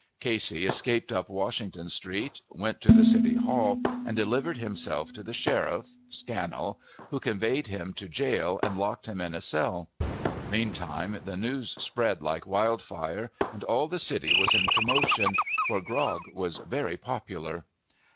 Casey escaped up Washington Street, went to the City Hall, and delivered himself to the sheriff (Scannell), who conveyed him to jail and locked him in a cell. Meantime, the news spread like wildfire, and all the city was in commotion, for grog was very popular.